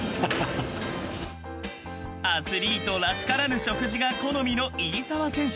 ［アスリートらしからぬ食事が好みの入澤選手］